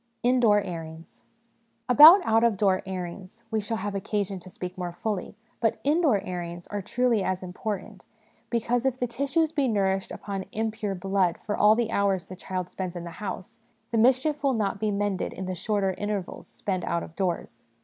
" Indoor Airings. About out of door airings we shall have occasion to speak more fully ; but indoor airings are truly as important, because, if the tissues be nourished upon impure blood for all the hours the child spends in the house, the mischief will not be mended in the shorter intervals spent out of doors.